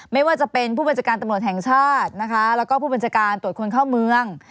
ไม่ว่าจะเป็นผู้บัญชาการตำรวจแห่งชาตินะคะแล้วก็ผู้บัญชาการตรวจคนเข้าเมือง